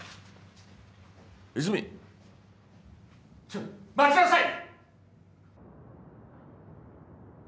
ちょっ待ちなさい！